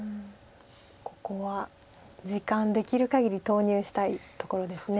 ここは時間できるかぎり投入したいところです。